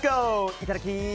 いただき！